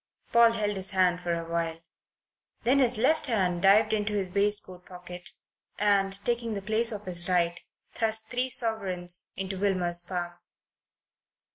Paul held his hand for a while. Then his left hand dived into his waistcoat pocket and, taking the place of his right, thrust three sovereigns into Wilmer's palm.